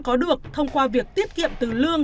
có được thông qua việc tiết kiệm từ lương